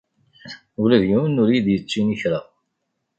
Ula d yiwen ur iyi-d-yettini kra.